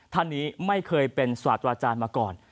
ท่านนี้ไม่เคยเป็นศาสตราจารย์มาก่อน